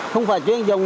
không phải chuyên dùng